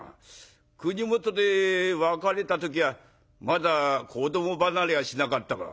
国元で別れた時はまだ子ども離れはしなかったが。